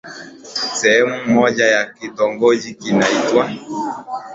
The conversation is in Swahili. sehemu moja ya kitogoji kinaitwa